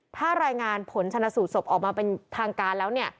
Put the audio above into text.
ถ้ารายงานผลชนะสูตรศพออกมาเป็นทางการแล้วเนี่ย